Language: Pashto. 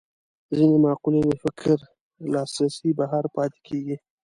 ځینې مقولې له فکر لاسرسي بهر پاتې کېږي